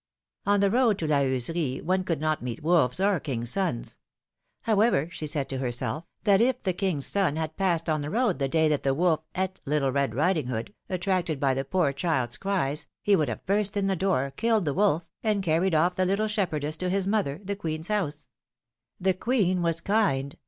On the road to La Heuserie one could not meet wolves or kings' sons ; however, she said to herself, that if the king's son had passed on the road the day that the wolf eat Little Red Riding Hood, attracted by the poor child's cries, he would have burst in the door, killed the wolf, and carried off the little shepherdess to his mother, the queen's house; the queen was kind.